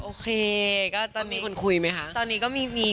โอเคก็ตอนนี้